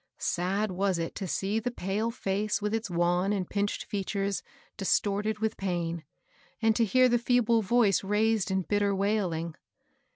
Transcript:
Sad was it to see the pale face with its wan and pinched features distorted with pain, and to hear the feeble voice raised in bitter wailing.